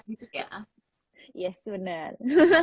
iya itu bener